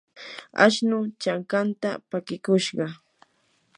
ashnuu chankantam pakikushqa.